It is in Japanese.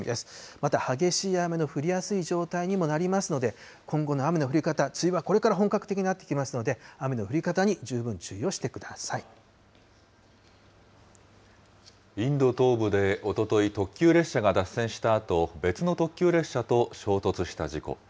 また激しい雨の降りやすい状態にもなりますので、今後の雨の降り方、梅雨はこれから本格的になってきますので、雨の降り方に十分インド東部でおととい、特急列車が脱線したあと、別の特急列車と衝突した事故。